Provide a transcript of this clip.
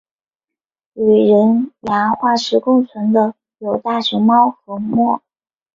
与人牙化石共存的有大熊猫和貘。